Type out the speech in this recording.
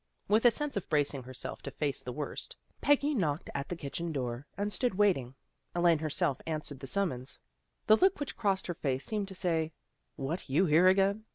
With a sense of bracing herself to face the worst, Peggy knocked at the kitchen door and stood waiting. Elaine herself answered the summons. The look which crossed her face seemed to say, " What, you here again?